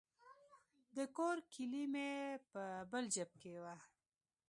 د کور کیلي مې په بل جیب کې وه.